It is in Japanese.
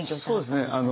そうですね